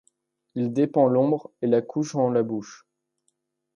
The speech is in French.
Il dépend l'Ombre et la couche en la bouche.